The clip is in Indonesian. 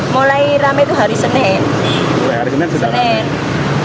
mulai rame itu hari senin